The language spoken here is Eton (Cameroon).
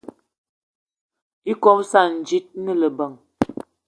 Ikob íssana ji íne lebeng.